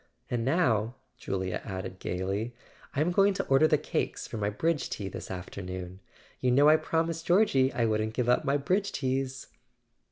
And now," Julia added gaily, "I'm going to order the cakes for my bridge tea this afternoon.. [ 393 ] A SON AT THE FRONT You know I promised Georgie I wouldn't give up my bridge teas."